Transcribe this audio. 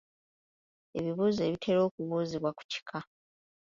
Ebibuuzo ebitera okubuuzibwa ku kita.